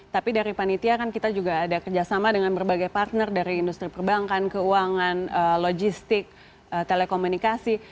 tapi dari panitia kan kita juga ada kerjasama dengan berbagai partner dari industri perbankan keuangan logistik telekomunikasi